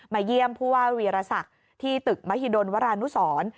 เยี่ยมผู้ว่าวีรศักดิ์ที่ตึกมหิดลวรานุสร